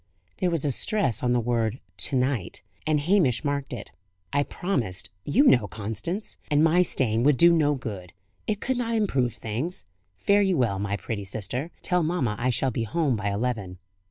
There was a stress on the word "to night," and Hamish marked it. "I promised, you know, Constance. And my staying away would do no good; it could not improve things. Fare you well, my pretty sister. Tell mamma I shall be home by eleven."